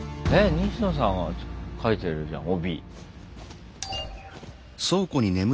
西野さんが書いてるじゃん帯。